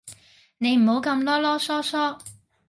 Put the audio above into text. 你唔好咁囉囉嗦嗦